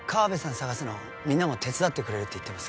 捜すのみんなも手伝ってくれるって言ってます